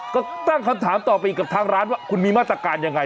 ก็ตั้งคำถามต่อไปกับทางร้านว่าคุณมีมาตรการยังไง